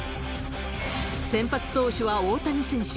先発投手は大谷選手。